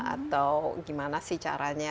atau gimana sih caranya